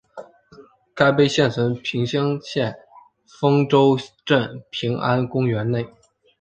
该碑现存平乡县丰州镇平安公园内。